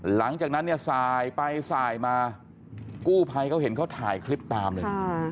หลังจากนั้นเนี่ยสายไปสายมากู้ภัยเขาเห็นเขาถ่ายคลิปตามเลย